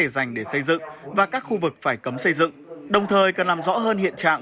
dành để xây dựng và các khu vực phải cấm xây dựng đồng thời cần làm rõ hơn hiện trạng